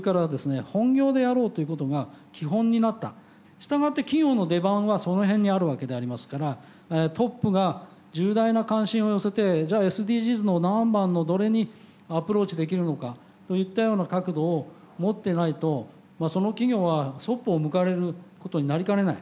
従って企業の出番はその辺にあるわけでありますからトップが重大な関心を寄せてじゃあＳＤＧｓの何番のどれにアプローチできるのかといったような角度を持ってないとその企業はそっぽを向かれることになりかねない。